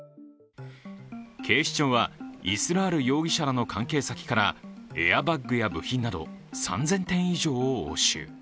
警視庁は、イスラール容疑者らの関係先からエアバッグや部品など３０００点以上を押収。